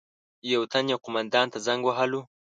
یو تن یو قومندان ته زنګ وهلو.